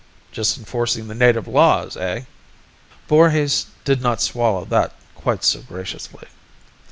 "Just enforcing the native laws, eh?" Voorhis did not swallow that quite so graciously.